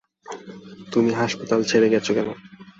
তুমি হাসপাতাল ছেড়ে গেছো কেন?